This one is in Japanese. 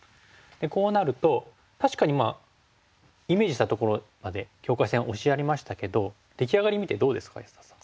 こうなると確かにまあイメージしたところまで境界線を押しやりましたけど出来上がり見てどうですか安田さん。